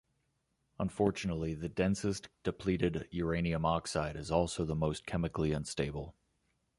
Unfortunately, the densest depleted uranium oxide is also the most chemically unstable.